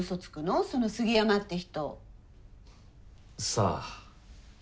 さあ。